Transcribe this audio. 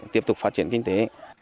tiếp tục phát triển kinh tế